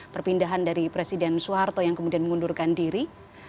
perpindahan dari presiden soeharto yang kemudian mengundurkan diri